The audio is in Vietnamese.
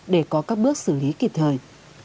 để có các bước xử lý kịp thời